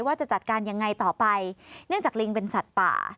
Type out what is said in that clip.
ว่าจะจัดการยังไงต่อไปเนื่องจากลิงเป็นสัตว์ป่า